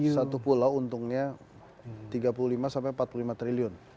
satu pulau untungnya tiga puluh lima sampai empat puluh lima triliun